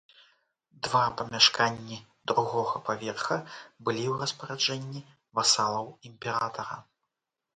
Два памяшканні другога паверха былі ў распараджэнні васалаў імператара.